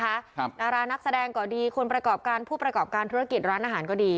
ดารานักแสดงก็ดีคนประกอบการผู้ประกอบการธุรกิจร้านอาหารก็ดี